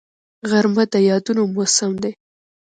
غرمه د یادونو موسم دی